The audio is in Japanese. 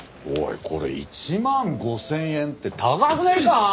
おいこれ１万５０００円って高くねえか！？